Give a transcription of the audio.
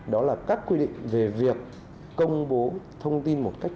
đó là các quy định về việc công bố thông tin một cách